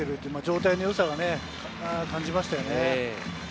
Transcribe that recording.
状態のよさを感じましたね。